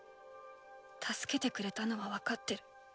助けてくれたのは分かってる。